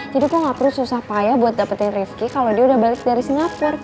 jadi kok gak perlu susah payah buat dapetin rifki kalo dia udah balik dari singapur